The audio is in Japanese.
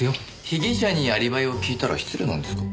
被疑者にアリバイを聞いたら失礼なんですか？